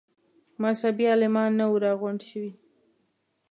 مذهبي عالمان نه وه راغونډ شوي.